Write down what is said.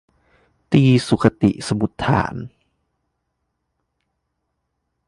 ตรีสุคติสมุฏฐาน